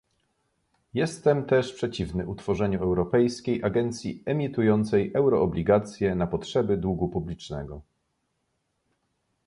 Jestem też przeciwny utworzeniu europejskiej agencji emitującej euroobligacje na potrzeby długu publicznego